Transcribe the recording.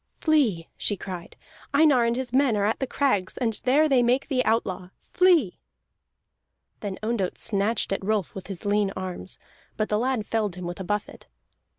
"Flee!" she cried. "Einar and his men are at the crags, and there they make thee outlaw. Flee!" Then Ondott snatched at Rolf with his lean arms, but the lad felled him with a buffet.